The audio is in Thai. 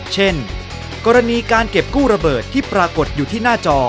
เช่นกรณีการเก็บกู้ระเบิดที่ปรากฏอยู่ที่หน้าจอ